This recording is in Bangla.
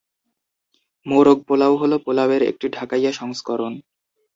মোরগ পোলাও হলো পোলাও এর একটি ঢাকাইয়া সংস্করণ।